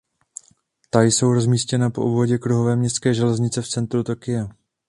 Ta jsou rozmístěna po obvodě kruhové městské železnice v centru Tokia.